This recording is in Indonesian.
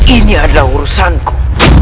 ini adalah urusanku